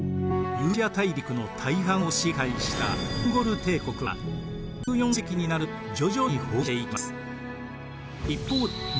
ユーラシア大陸の大半を支配したモンゴル帝国は１４世紀になると徐々に崩壊していきます。